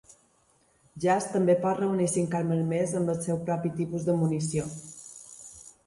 Jazz també pot reunir cinc armes més amb el seu propi tipus de munició.